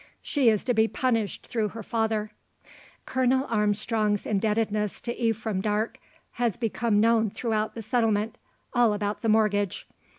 She is to be punished through her father. Colonel Armstrong's indebtedness to Ephraim Darke has become known throughout the settlement all about the mortgage.